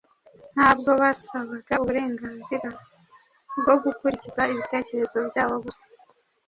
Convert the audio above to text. Ntabwo basabaga uburenganzira bwo gukurikiza ibitekerezo byabo gusa